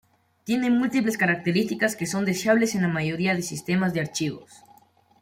Tiene múltiples características que son deseables en la mayoría de sistemas de archivos.